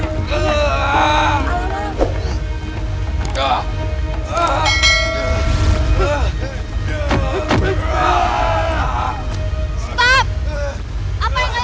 bukan kau yang meng gingkul